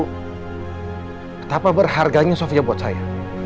betapa berharganya sofia buat saya